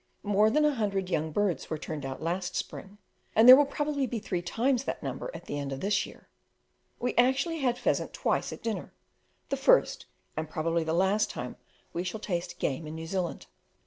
More than a hundred young birds were turned out last spring, and there will probably be three times that number at the end of this year. We actually had pheasant twice at dinner; the first, and probably the last time we shall taste game in New Zealand.